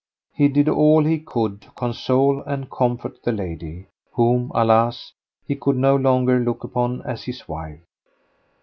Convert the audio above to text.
He did all he could to console and comfort the lady, whom, alas! he could no longer look upon as his wife.